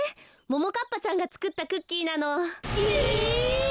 ももかっぱちゃんがつくったクッキーなの。え！